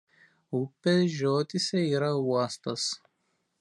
Upės žiotyse yra uostas.